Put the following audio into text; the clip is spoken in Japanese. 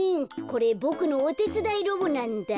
これボクのおてつだいロボなんだ。